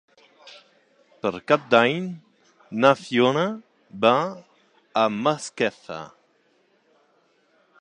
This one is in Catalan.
Per Cap d'Any na Fiona va a Masquefa.